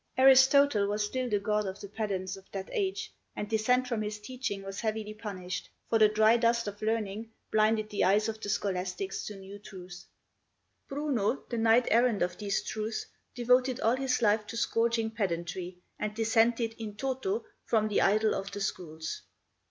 Aristotle was still the god of the pedants of that age, and dissent from his teaching was heavily punished, for the dry dust of learning blinded the eyes of the scholastics to new truths. Bruno, the knight errant of these truths, devoted all his life to scourging pedantry, and dissented in toto from the idol of the schools.